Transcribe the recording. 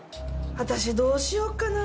私どうしよっかな。